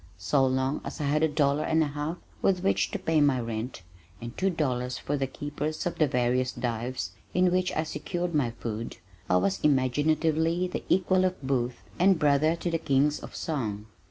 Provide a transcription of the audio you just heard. So long as I had a dollar and a half with which to pay my rent and two dollars for the keepers of the various dives in which I secured my food, I was imaginatively the equal of Booth and brother to the kings of song.